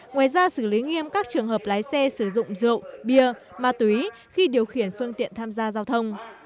ngoài ra xử lý nghiêm các trường hợp lái xe sử dụng rượu bia ma túy khi điều khiển phương tiện tham gia giao thông